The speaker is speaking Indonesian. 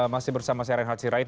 masih bersama saya ren hatsirahid